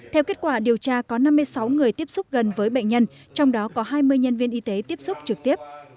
theo kết quả điều tra có năm mươi sáu người tiếp xúc gần với bệnh nhân trong đó có hai mươi nhân viên y tế tiếp xúc trực tiếp